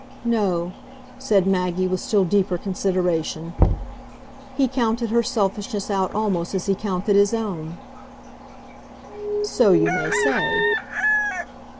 "No," said Maggie with still deeper consideration: "he counted her selfishness out almost as he counted his own." "So you may say."